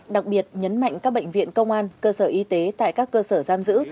đặc biệt nhấn mạnh các bệnh viện công an cơ sở y tế tại các cơ sở giam giữ